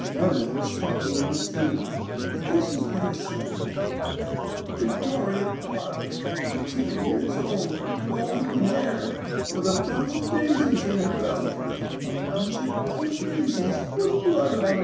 Lemon was talking in his sleep, and this is what he said: "'Victoria Park. Eighteen years old. Golden hair. With a bunch of daisies in her belt. A bunch of white daisies, with blood on 'em!